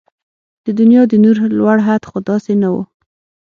د دنيا د نور لوړ حد خو داسې نه و